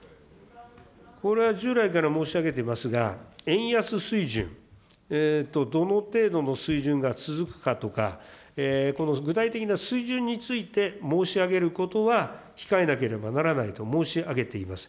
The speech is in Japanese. これは従来から申し上げていますが、円安水準、どの程度の水準が続くかとか、この具体的な水準について申し上げることは控えなければならないと申し上げております。